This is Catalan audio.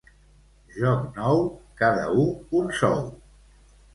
Joc nou, cada u un sou.